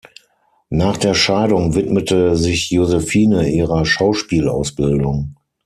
Nach der Scheidung widmete sich Josephine ihrer Schauspielausbildung.